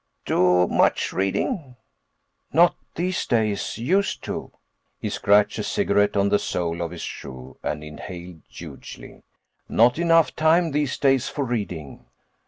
Do much reading?" "Not these days. Used to." He scratched a cigarette on the sole of his shoe and inhaled hugely. "Not enough time these days for reading."